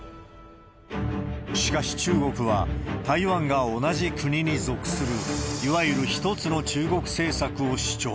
しかし中国は、台湾が同じ国に属する、いわゆる一つの中国政策を主張。